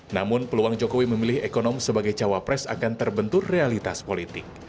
namun peluang jokowi memilih ekonom sebagai cawapres akan terbentur realitas politik